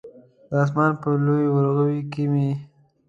د اسمان په لوی ورغوي کې مې